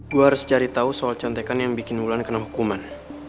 gue harus cari tahu soal contekan yang bikin mulan kena hukuman